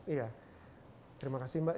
iya terima kasih mbak